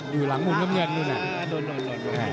อยู่หลังหมุนน้ำเงินโดนโดนโดน